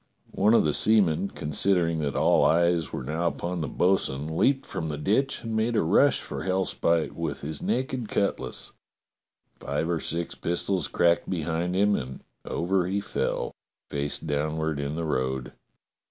One of the seamen, considering that all eyes were now THE FIGHT 215 upon the bo'sun, leaped from the ditch and made a rush for Hellspite with his naked cutlass. Five or six pistols cracked behind him and over he fell, face downward in the road.